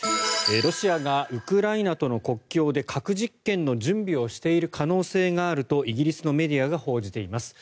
ロシアがウクライナとの国境で核実験の準備をしている可能性があるとイギリスのメディアが報じています。